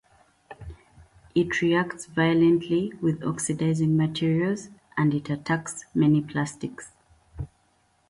It reacts violently with oxidizing materials and it attacks many plastics.